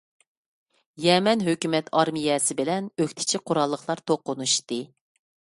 يەمەن ھۆكۈمەت ئارمىيەسى بىلەن ئۆكتىچى قوراللىقلار توقۇنۇشتى.